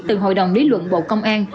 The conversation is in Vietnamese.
từ hội đồng lý luận bộ công an